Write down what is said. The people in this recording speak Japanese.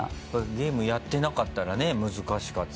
ゲームやってなかったらね難しかった。